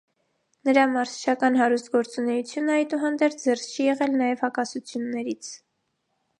Նրա մարզչական հարուստ գործունեությունը, այդուհանդերձ, զերծ չի եղել նաև հակասություններից։